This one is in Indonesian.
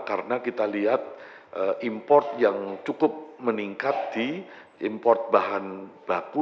karena kita lihat import yang cukup meningkat di import bahan baku